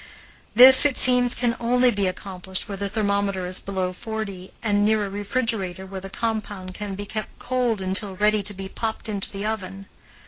This, it seems, can only be accomplished where the thermometer is below forty, and near a refrigerator where the compound can be kept cold until ready to be popped into the oven.